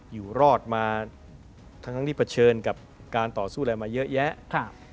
อยู่รอดมาทั้งที่เผชิญกับการต่อสู้อะไรมาเยอะแยะ